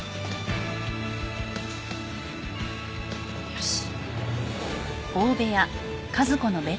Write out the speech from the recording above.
よし。